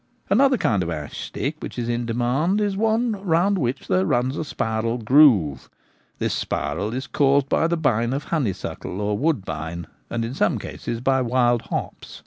Another kind of ash stick which is in demand is one round which there runs a spiral groove. This spiral is caused by the bine of honeysuckle or woodbine, and in some cases by wild hops.